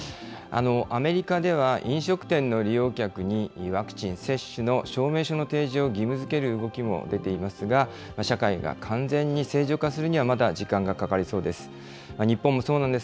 アメリカでは、飲食店の利用客にワクチン接種の証明書の提示を義務づける動きも出ていますが、社会が完全に正常化するには、まだ時間がかかりそうです。